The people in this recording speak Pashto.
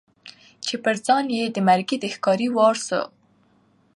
چي پر ځان یې د مرګي د ښکاري وار سو